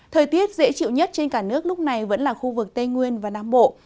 thời tiết dễ chịu nhất trên cả nước lúc này vẫn là khu vực tây nguyên và nam bộ